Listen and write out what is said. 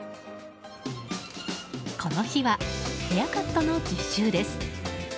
この日は、ヘアカットの実習です。